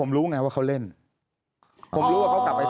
แต่ได้ยินจากคนอื่นแต่ได้ยินจากคนอื่น